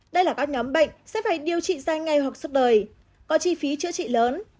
đây là các nhóm bệnh sẽ phải điều trị dài ngay hoặc suốt đời có chi phí chữa trị lớn